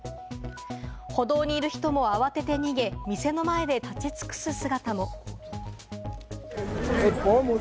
歩道にいる人も慌てて逃げ、店の前で立ち尽くす姿も。